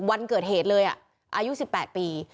วันเกิดเหตุเลยอายุ๑๘ปี